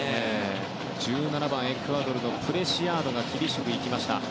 １７番エクアドルのプレシアードが厳しく行きました。